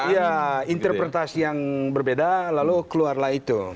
ya interpretasi yang berbeda lalu keluarlah itu